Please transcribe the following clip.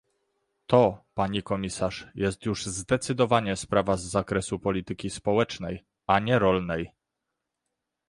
To, pani komisarz, jest już zdecydowanie sprawa z zakresu polityki społecznej, a nie rolnej